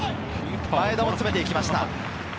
前田も詰めていきました。